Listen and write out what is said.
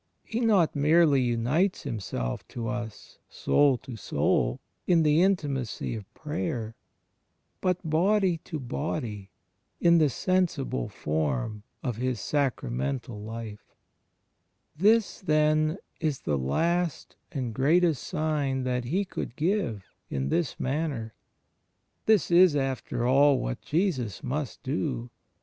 He not merely imites Himself to us, Soul to soul, in the intimacy of prayer, but Body to body in the sensible form of His Sacramental Life. ...^ Eph. ii : i8. ' Luke zv : 20. CHSIST IN THE EXTERIOR 53 This, then, is the last and greatest sign that He could give, in this manner. This is, after all, what Jesus must do.